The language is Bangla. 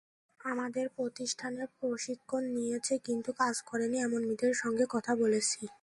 আমাদের প্রতিষ্ঠানে প্রশিক্ষণ নিয়েছে কিন্তু কাজ করেনি এমন মেয়েদের সঙ্গে কথা বলেছি।